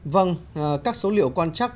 vâng các số liệu quan trắc